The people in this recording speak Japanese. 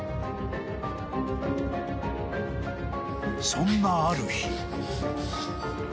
［そんなある日］